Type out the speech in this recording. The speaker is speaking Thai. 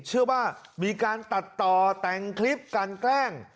เชื่อว่ามีการตัดต่อแต่งคลิปกันแกล้ง